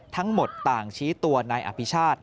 ทั้งหมดต่างชี้ตัวนายอภิชาติ